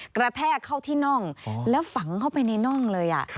กระแทกเข้าที่น่องแล้วฝังเข้าไปในน่องเลย